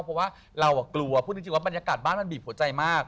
เพราะว่าเรากลัวพูดจริงว่าบรรยากาศบ้านมันบีบหัวใจมาก